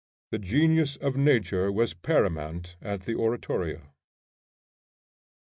The genius of nature was paramount at the oratorio.